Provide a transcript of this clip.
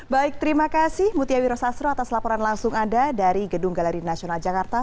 baik terima kasih mutiawi rosastro atas laporan langsung ada dari gedung galeri nasional jakarta